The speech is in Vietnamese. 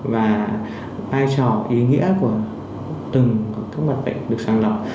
và vai trò ý nghĩa của từng các mặt bệnh được sàng lọc